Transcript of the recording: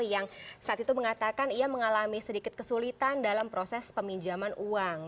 yang saat itu mengatakan ia mengalami sedikit kesulitan dalam proses peminjaman uang